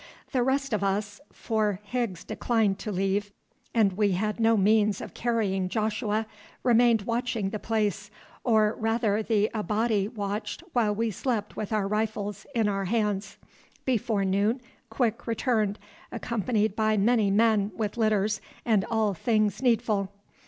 The rest of us, for Higgs declined to leave, and we had no means of carrying Joshua, remained watching the place, or rather the Abati watched while we slept with our rifles in our hands. Before noon Quick returned, accompanied by many men with litters and all things needful.